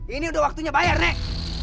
ini udah waktunya bayar nek